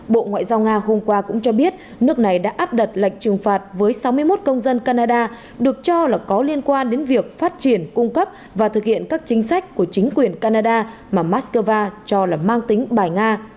bộ ngoại giao nga hôm qua cũng cho biết nước này đã áp đặt lệnh trừng phạt với sáu mươi một công dân canada được cho là có liên quan đến việc phát triển cung cấp và thực hiện các chính sách của chính quyền canada mà moscow cho là mang tính bài nga